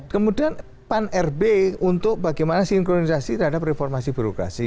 kemudian pan rb untuk bagaimana sinkronisasi terhadap reformasi birokrasi